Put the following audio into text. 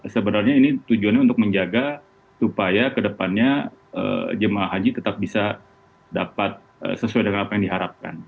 sebenarnya ini tujuannya untuk menjaga supaya kedepannya jemaah haji tetap bisa dapat sesuai dengan apa yang diharapkan